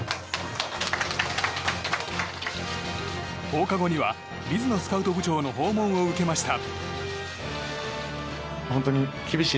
放課後には水野スカウト部長の訪問を受けました。